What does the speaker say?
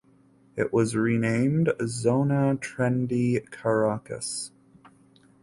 It was renamed "Zona Trendy Caracas".